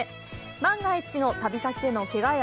万が一の旅先でのけがや